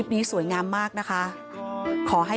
คุณผู้ชมค่ะคุณผู้ชมค่ะ